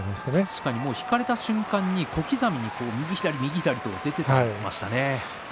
確かに引かれた瞬間に小刻みに右左、右左と出ていきましたね。